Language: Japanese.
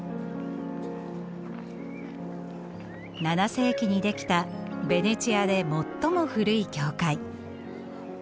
７世紀にできたベネチアで最も古い教会。